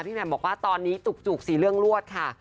แหม่มบอกว่าตอนนี้จุก๔เรื่องรวดค่ะ